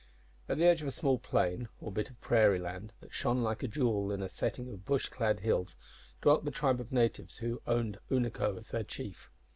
At the edge of a small plain, or bit of prairie land, that shone like a jewel in a setting of bush clad hills, dwelt the tribe of natives who owned Unaco as their chief.